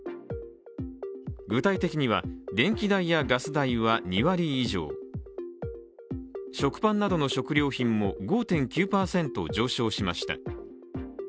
具体的には、電気代やガス代は２割以上、食パンなどの食料品も５．９％上昇しました。